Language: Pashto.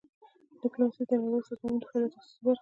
ډیپلوماسي د نړیوالو سازمانونو د فعالیت اساسي برخه ده.